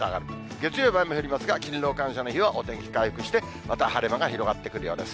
月曜日は雨降りますが、勤労感謝の日はお天気回復して、また晴れ間が広がってくるようです。